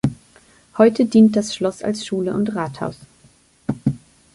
Heute dient das Schloss als Schule und Rathaus.